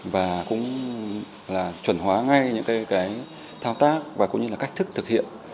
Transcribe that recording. và cũng là chuẩn hóa ngay những cái thao tác và cũng như là cách thức thực hiện